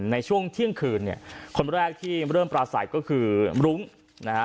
ในช่วงเที่ยงคืนเนี่ยคนแรกที่เริ่มปราศัยก็คือรุ้งนะฮะ